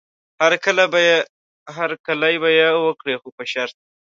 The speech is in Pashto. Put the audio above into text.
هرکلی به یې وکړي خو په شرط.